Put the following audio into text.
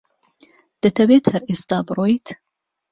دەتەوێت هەر ئێستا بڕۆیت؟